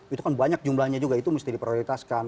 itu kan banyak jumlahnya juga itu mesti diprioritaskan